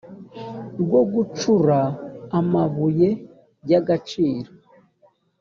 rwo gucukura amabuye y agaciro